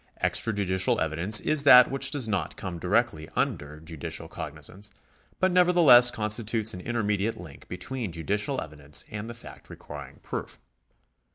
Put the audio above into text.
Extrajudicial evidence is that which does not come directly under judicial cognizance, but nevertheless constitutes an intermediate link between judicial evidence and the fact requiring proof.